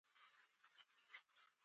هلته مې هم داسې څه ونه موندل.